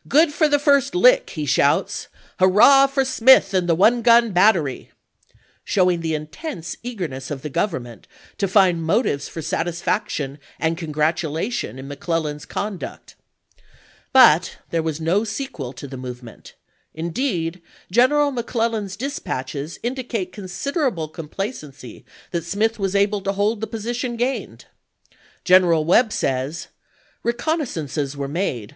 " Good for the first lick !" he shouts ;" Hurrah for Smith and the one gun battery" — showing the intense eagerness of the Government to find motives for satisfaction and congratulation in McClellan's con duct. But there was no sequel to the movement ; indeed, General McClellan's dispatches indicate considerable complacency that Smith was able to hold the position gained. General Webb says, " Reconnaissances were made